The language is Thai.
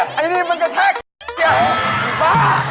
อะไรล่ะนี่มันกระเทศ